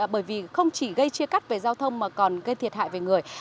bởi vì không chỉ gây chia cắt về giao thông mà còn gây thiệt hại về người